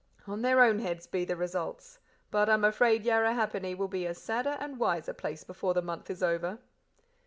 On their own heads be the results; but I'm afraid Yarrahappini will be a sadder and wiser place before the month is over."